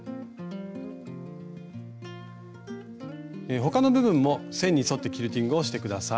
他の部分も線に沿ってキルティングをして下さい。